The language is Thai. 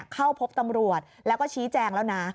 เข้าพบตำรวจแล้วก็ชี้แจงแล้วนะ